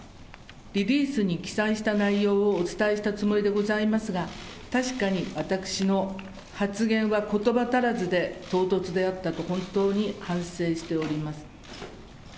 リリースに記載した内容をお伝えしたつもりでございますが、確かに私の発言は、ことば足らずで唐突であったと本当に反省しております。